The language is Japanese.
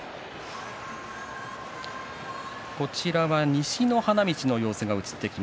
西の花道の様子です。